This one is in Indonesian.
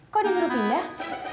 kok disuruh pindah